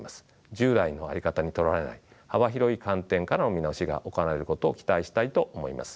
従来の在り方にとらわれない幅広い観点からの見直しが行われることを期待したいと思います。